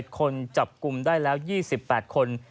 ๗คนจับกลุ่มได้แล้ว๒๘คน